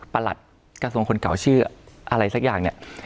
หลัดกระทรวงคนเก่าชื่ออะไรสักอย่างเนี่ย